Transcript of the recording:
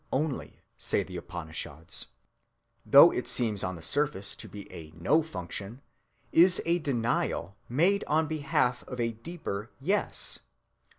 only, say the Upanishads,(261)—though it seems on the surface to be a no‐function, is a denial made on behalf of a deeper yes.